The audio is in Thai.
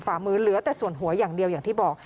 ฝ่ามือเหลือแต่ส่วนหัวอย่างเดียวอย่างที่บอก